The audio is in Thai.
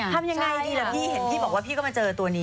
ทำยังไงดีล่ะพี่เห็นพี่บอกว่าพี่ก็มาเจอตัวนี้